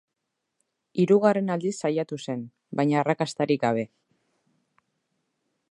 Hirugarren aldiz saiatu zen, baina arrakastarik gabe.